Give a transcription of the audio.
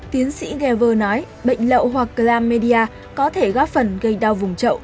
tiến sĩ gever nói bệnh lậu hoặc chlamydia có thể góp phần gây đau vùng trậu